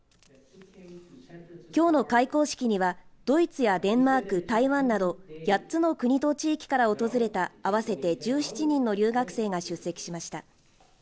きょうの開講式にはドイツやデンマーク、台湾など８つの国と地域から訪れた合わせて１７人の留学生が出席しました。